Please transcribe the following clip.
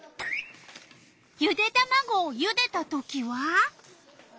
ゆでたまごをゆでたときは？